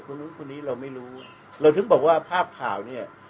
คนนู้นคนนี้เราไม่รู้เราถึงบอกว่าภาพข่าวเนี่ย